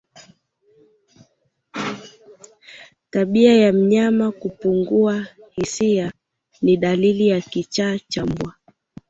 Tabia ya mnyama kupungua hisia ni dalili ya kichaa cha mbwa